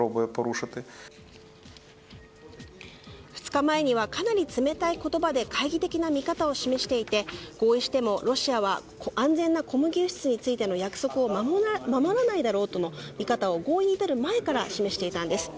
２日前にはかなり冷たい言葉で懐疑的な見方を示していて合意してもロシアは安全な小麦輸出についての約束を守らないだろうとの見方を合意に至る前から示していたんです。